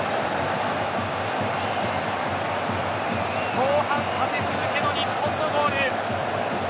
後半立て続けの日本のゴール。